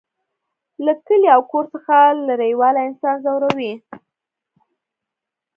له کلي او کور څخه لرېوالی انسان ځوروي